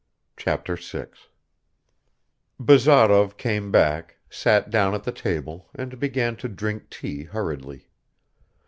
Chapter 6 BAZAROV CAME BACK, SAT DOWN AT THE TABLE AND BEGAN to drink tea hurriedly.